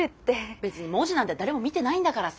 別に文字なんて誰も見てないんだからさ。